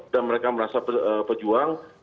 dan mereka merasa pejuang